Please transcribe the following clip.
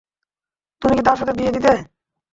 তুমি কি তার সাথে বিয়ে দিতে?